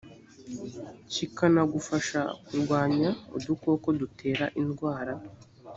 kikanagufasha kurwanya udukoko dutera indwara